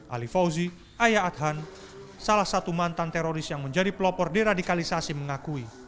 ali fauzi ayah adhan salah satu mantan teroris yang menjadi pelopor deradikalisasi mengakui